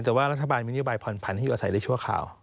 แต่ว่ารัฐบาลมีนโยบายผ่อนผันที่อยู่อาศัยได้ชั่วคราว